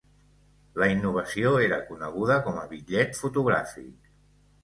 La innovació era coneguda com a "bitllet fotogràfic".